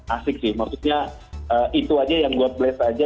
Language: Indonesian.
asik sih maksudnya itu aja yang god bless aja